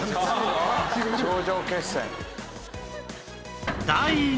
頂上決戦。